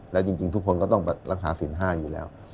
และจริงทุกคนก็ต้องรักษาสินห้าอยู่แล้ว